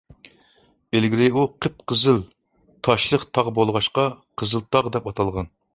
ئىلگىرى ئۇ قىپقىزىل تاشلىق تاغ بولغاچقا، «قىزىلتاغ» دەپ ئاتالغان.